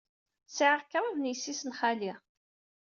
Sɛiɣ kraḍt n yessi-s n xali.